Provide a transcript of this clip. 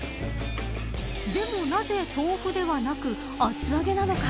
でもなぜ豆腐ではなく厚揚げなのか。